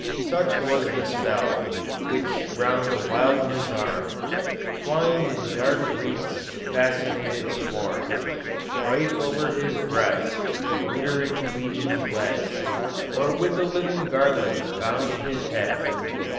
"Such was the spell, which round a Wildman's arm Twin'd in dark wreaths the fascinated swarm; Bright o'er his breast the glittering legions led, Or with a living garland bound his head.